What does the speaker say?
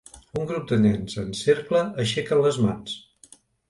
Un grup de nens en cercle aixequen les mans.